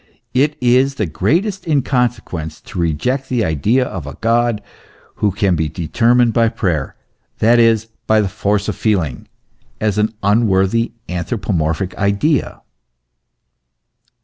It is the greatest inconsequence to reject the idea of a God who can be determined by prayer, that is, by the force of feeling, as an unworthy anthropomorphic idea.